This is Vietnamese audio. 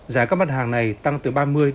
giá các mặt hàng này tăng từ ba mươi sáu mươi